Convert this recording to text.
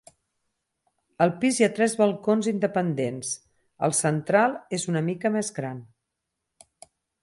Al pis hi ha tres balcons independents, el central és una mica més gran.